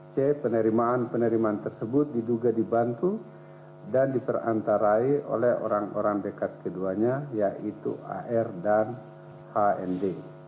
c penerimaan penerimaan tersebut diduga dibantu dan diperantarai oleh orang orang dekat keduanya yaitu ar dan hnd